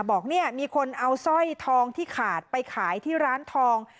บอกเนี่ยมีคนเอาสร้อยทองที่ขาดไปขายที่ร้านทอง